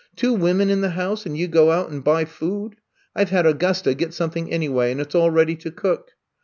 Two women in the house and you go out and buy food ! I Ve had Augusta get something anyway and it 's all ready to cook.